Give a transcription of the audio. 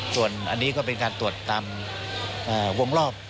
ส่วนอันนี้ก็เป็นการตรวจตามวงรอบ